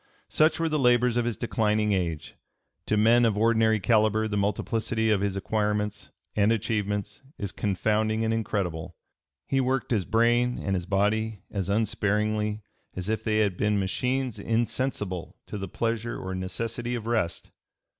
Such were the labors of his declining age. To men of ordinary calibre the multiplicity of his acquirements and achievements is confounding and incredible. He worked his brain and his body as unsparingly as if they had been machines insensible to the pleasure or necessity of rest.